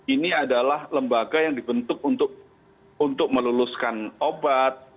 ini adalah lembaga yang dibentuk untuk meluluskan obat